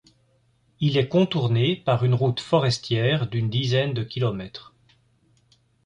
Il est contourné par une route forestière d'une dizaine de kilomètres.